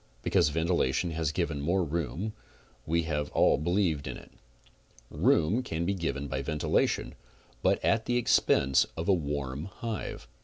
Because ventilation has given more room we have all believed in it. Room can be given by ventilation but at the expense of a warm hive.